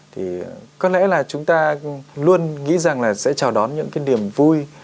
thì có lẽ là chúng ta luôn nghĩ rằng là sẽ chào đón những cái niềm vui